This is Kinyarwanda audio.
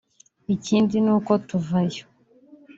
Ikindi ni uko tuvayo